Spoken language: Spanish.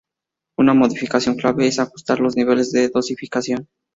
Una modificación clave es ajustar los niveles de dosificación.